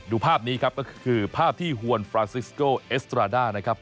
ภาพนี้ครับก็คือภาพที่ฮวนฟรานซิสโกเอสตราด้านะครับ